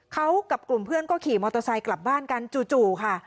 เขากับกลุ่มเพื่อนก็ขี่มอเตอร์ไซค์กลับบ้านกันจู่ค่ะ